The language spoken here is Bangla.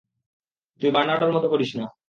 তুই বার্নার্ডোর মতো করিস না।